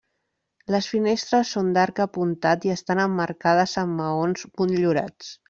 Les finestres són d'arc apuntat i estan emmarcades amb maons motllurats.